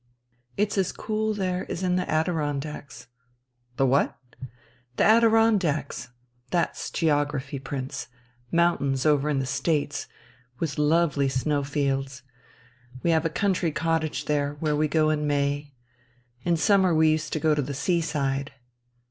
It's as cool there as in the Adirondacks." "The what?" "The Adirondacks. That's geography, Prince. Mountains over in the States, with lovely snowfields. We have a country cottage there, where we go in May. In summer we used to go to the sea side."